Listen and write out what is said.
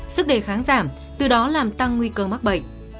sức đề kháng giảm từ đó làm tăng nguy cơ mắc bệnh